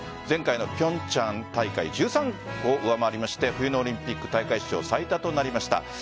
前回の平昌大会１３個を上回りまして冬のオリンピック大会史上最多となりました。